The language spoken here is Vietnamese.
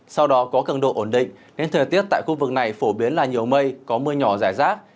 sau đó có cường độ ổn định nên thời tiết tại khu vực này phổ biến là nhiều mây có mưa nhỏ rải rác